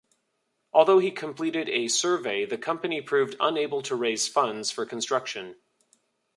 Although he completed a survey the company proved unable to raise funds for construction.